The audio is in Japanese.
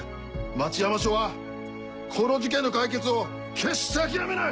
町山署はこの事件の解決を決して諦めない！